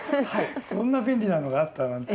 そんな便利なのがあったなんて。